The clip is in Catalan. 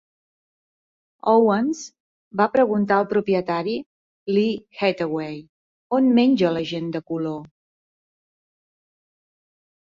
Owens va preguntar al propietari, Lee Hathaway, On menja la gent de color?